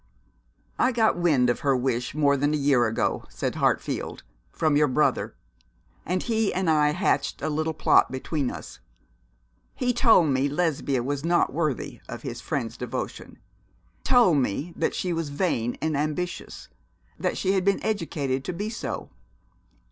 'I got wind of her wish more than a year ago,' said Hartfield, 'from your brother; and he and I hatched a little plot between us. He told me Lesbia was not worthy of his friend's devotion told me that she was vain and ambitious that she had been educated to be so.